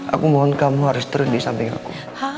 aku mohon kamu harus terus disamping aku